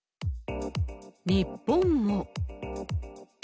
日本も。